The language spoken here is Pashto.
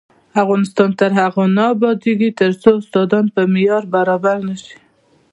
افغانستان تر هغو نه ابادیږي، ترڅو استادان په معیار برابر نشي.